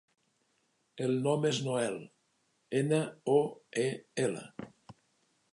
El nom és Noel: ena, o, e, ela.